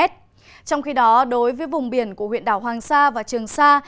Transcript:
trong khi đó đối với vùng biển của huyện đảo hoàng sa và trường sa